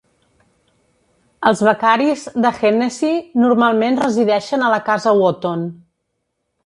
Els becaris de Hennessy normalment resideixen a la casa Wotton.